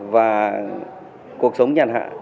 và cuộc sống nhàn hạ